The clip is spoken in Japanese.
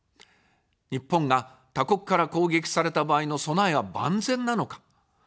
日本が他国から攻撃された場合の備えは万全なのか。